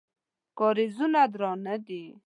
کارېزونه درانه دي.